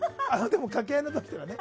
掛け合いの時はね。